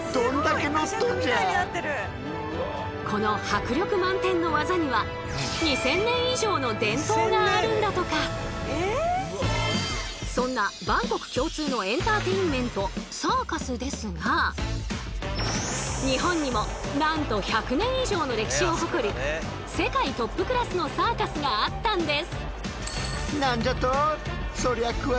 この迫力満点の技にはそんなサーカスですが日本にもなんと１００年以上の歴史を誇る世界トップクラスのサーカスがあったんです。